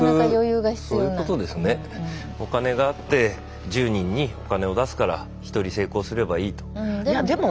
お金があって１０人にお金を出すから１人成功すればいいと。